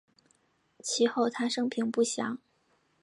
其后他生平不详。